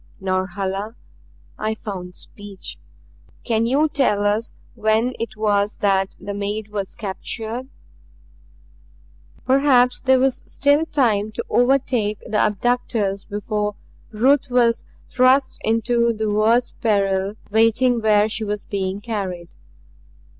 "Norhala" I found speech "can you tell us when it was that the maid was captured?" Perhaps there was still time to overtake the abductors before Ruth was thrust into the worse peril waiting where she was being carried.